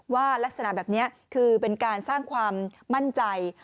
ลักษณะแบบนี้คือเป็นการสร้างความมั่นใจ